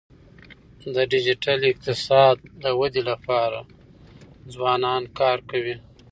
د ډیجیټل اقتصاد د ودی لپاره ځوانان کار کوي.